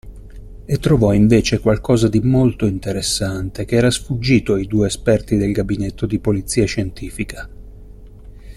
E trovò, invece, qualcosa di molto interessante, che era sfuggito ai due esperti del Gabinetto di Polizia Scientifica.